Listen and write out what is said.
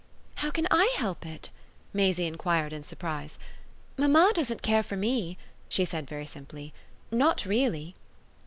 "How can I help it?" Maisie enquired in surprise. "Mamma doesn't care for me," she said very simply. "Not really."